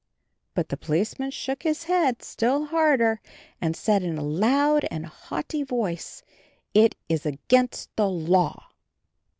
But the Policeman shook his head still harder, and said in a loud and haughty voice, "It is against the law."